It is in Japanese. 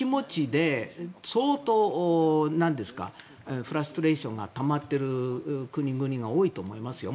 相当フラストレーションがたまっている国々も多いと思いますよ。